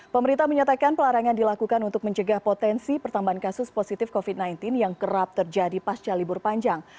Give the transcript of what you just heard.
pemerintah menyatakan pelarangan dilakukan untuk mencegah potensi pertambahan kasus positif covid sembilan belas yang kerap terjadi pasca libur panjang